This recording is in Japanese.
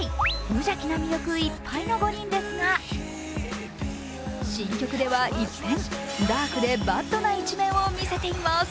無邪気な魅力いっぱいの５人ですが新曲では一変、ダークでバッドな一面を見せています。